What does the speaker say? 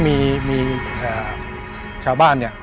และเลือกว่าชาวบ้านนะ